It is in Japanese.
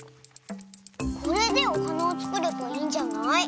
これでおはなをつくればいいんじゃない？